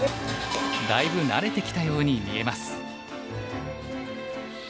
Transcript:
だいぶ慣れてきたように見えます。